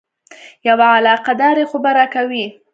یوه علاقه داري خو به راکوې.